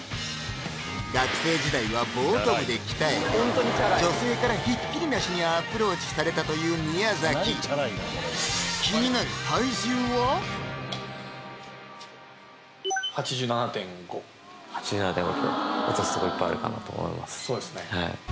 学生時代はボート部で鍛えて女性からひっきりなしにアプローチされたという宮崎気になる８７．５８７．５ｋｇそうですね